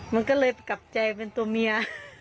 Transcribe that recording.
มันก็เลยกลับใจเป็นตัวเมีย